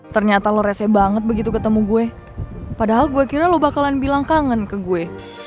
ternyata loresnya banget begitu ketemu gue padahal gue kira lo bakalan bilang kangen ke gue